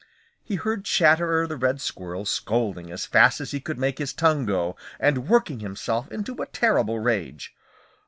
He heard Chatterer the Red Squirrel scolding as fast as he could make his tongue go and working himself into a terrible rage.